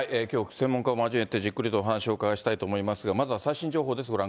きょうは専門家を交えてじっくりとお話をお伺いしたいと思いますが、まずは最新情報です。